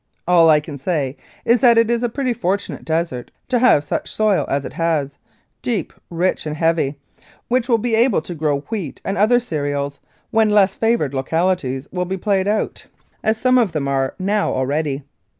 All I can say is that it is a pretty fortunate desert to have such soil as it has deep, rich and heavy which will be able to grow wheat and other cereals when less favoured localities will be played out, as 33 Mounted Police Life in Canada some of them are now already.